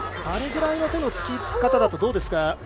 あれぐらいの手のつき方だとどうですか。